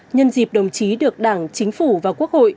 nhân dịp đồng chí được đảng chính phủ và quốc hội